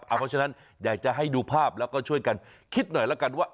เพราะฉะนั้นอยากจะให้ดูภาพแล้วก็ช่วยกันคิดหน่อยแล้วกันว่า